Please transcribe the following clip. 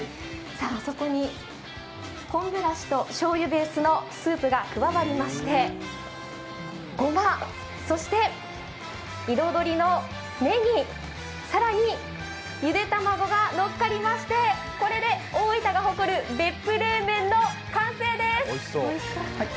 そこに昆布だしとしょうゆベースのスープが加わりましてごま、彩りのねぎ、更にゆで卵がのっかりまして、これで大分が誇る別府冷麺の完成です！